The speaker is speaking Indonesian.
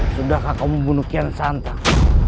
sudahkah kau membunuh kian santang